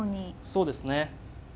そうですね。